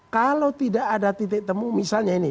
kalau tidak ada titik temu misalnya ini